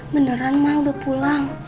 beneran ma udah pulang